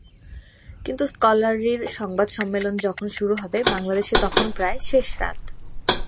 কিন্তু স্কলারির সংবাদ সম্মেলন যখন শুরু হবে, বাংলাদেশে তখন প্রায় শেষ রাত।